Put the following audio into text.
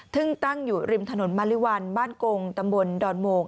ซึ่งตั้งอยู่ริมถนนมาริวัลบ้านกงตำบลดอนโมง